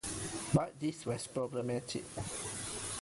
But this was problematic.